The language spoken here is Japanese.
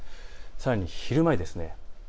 さらに昼前です。